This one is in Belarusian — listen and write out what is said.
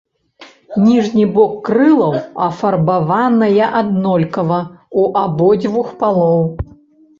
Ніжні бок крылаў афарбаваная аднолькава ў абодвух палоў.